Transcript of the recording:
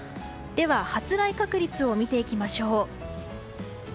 では、発雷確率を見ていきましょう。